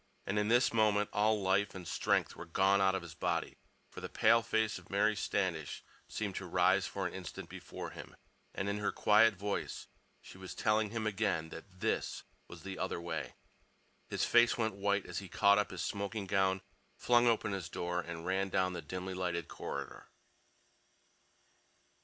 And in this moment all life and strength were gone out of his body, for the pale face of Mary Standish seemed to rise for an instant before him, and in her quiet voice she was telling him again that this was the other way. His face went white as he caught up his smoking gown, flung open his door, and ran down the dimly lighted corridor.